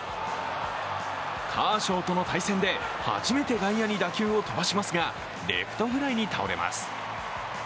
カーショーとの対戦で初めて外野に打球を飛ばしますがレフトフライに倒れます。